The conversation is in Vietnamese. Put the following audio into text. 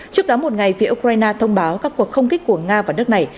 trước đó một ngày phía ukraine thông báo các cuộc không kích của nga và nước này